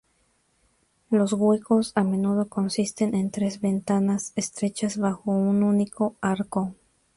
Los huecos a menudo consisten en tres ventanas estrechas bajo un único arco.